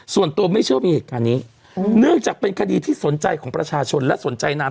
ส่วนตัวไม่เชื่อว่ามีเหตุการณ์นี้เนื่องจากเป็นคดีที่สนใจของประชาชนและสนใจนาน